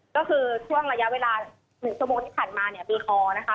ก็คือช่วงระยะเวลา๑ชั่วโมงที่ผ่านมาเนี่ยบีคอนะคะ